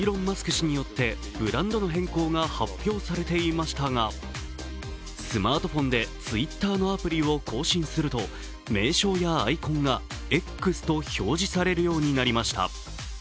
氏によってブランドの変更が発表されていましたがスマートフォンでＴｗｉｔｔｅｒのアプリを更新すると名称やアイコンがＸと表示されるようになりました。